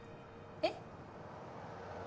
えっ？